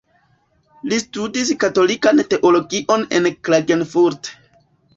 Li studis katolikan Teologion en Klagenfurt.